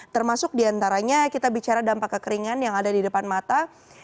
termasuk diantaranya kita bicara dampak kekeringan yang ada di depan mata